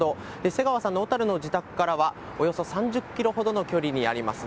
瀬川さんの小樽の自宅からはおよそ３０キロほどの距離にあります。